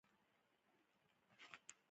د سترګو د اوبو لپاره د څه شي اوبه وکاروم؟